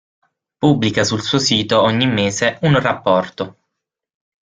Pubblica sul suo sito ogni mese un rapporto.